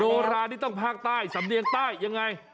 โนรานี่ต้องภาคใต้สำเนียงใต้ยังไง